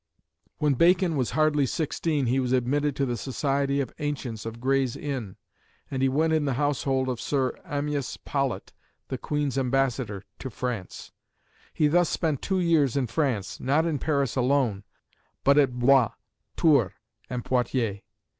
When Bacon was hardly sixteen he was admitted to the Society of "Ancients" of Gray's Inn, and he went in the household of Sir Amyas Paulet, the Queen's Ambassador, to France. He thus spent two years in France, not in Paris alone, but at Blois, Tours, and Poitiers.